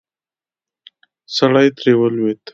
سړی ترې ولوېد.